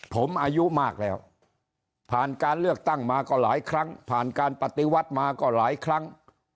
ผมอายุมากแล้วผ่านการเลือกตั้งมาก็หลายครั้งผ่านการปฏิวัติมาก็หลายครั้ง